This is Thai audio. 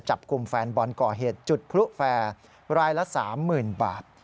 จับกลุ่มแฟนบอลก่อเหตุจุดพลุแฟร์รายละ๓๐๐๐บาท